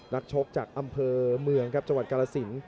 นักชกจากอำเภอเมืองครับจังหวัดกาลสิน